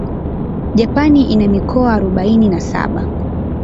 Japan ina mikoa arubaini na saba.